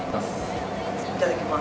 いただきます。